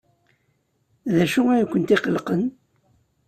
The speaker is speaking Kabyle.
D acu ay kent-iqellqen?